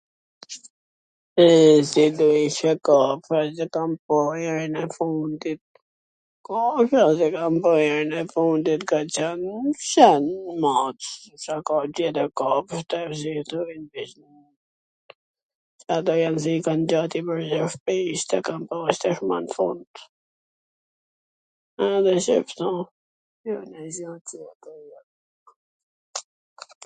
kam pa herwn e fundit, kam pa herwn e fundit ka qwn qen, mac, [???]